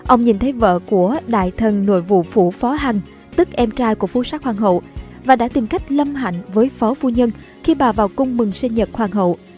ông nhìn thấy vợ của đại thân nội vụ phủ phó hằng tức em trai của phú sát hoàng hậu và đã tìm cách lâm hạnh với phó phu nhân khi bà vào cung mừng sinh nhật hoàng hậu